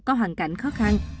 có hoàn cảnh khó khăn